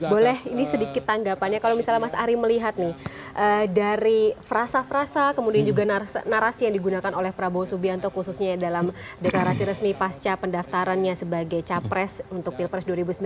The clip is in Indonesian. boleh ini sedikit tanggapannya kalau misalnya mas ari melihat nih dari frasa frasa kemudian juga narasi yang digunakan oleh prabowo subianto khususnya dalam deklarasi resmi pasca pendaftarannya sebagai capres untuk pilpres dua ribu sembilan belas